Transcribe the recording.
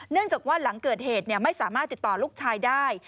จากว่าหลังเกิดเหตุไม่สามารถติดต่อลูกชายได้